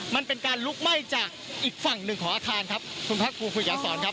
มันเป็นการลุกไหม้จากอีกฝั่งนึงของอาคารครับคุณครับครูคุยกันกับศรครับอ๋อ